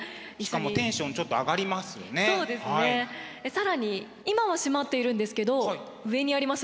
更に今は閉まっているんですけど上にあります